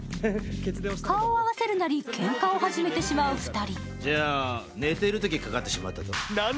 顔を合わせるなりけんかを始めてしまう２人。